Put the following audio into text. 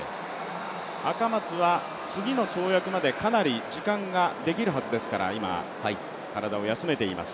赤松は次の跳躍までかなり時間ができるはずですから、今、体を休めています。